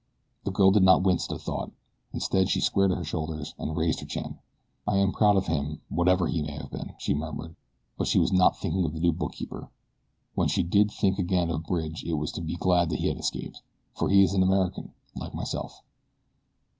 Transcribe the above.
The girl did not wince at the thought instead she squared her shoulders and raised her chin. "I am proud of him, whatever he may have been," she murmured; but she was not thinking of the new bookkeeper. When she did think again of Bridge it was to be glad that he had escaped "for he is an American, like myself."